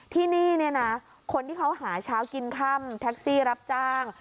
ที่นี่เนี่ยนะคนที่เขาหาเช้ากินค่ำแท็กซี่รับจ้าง